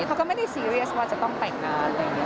เขาก็ไม่ได้ซีเรียสว่าจะต้องแต่งงานเลย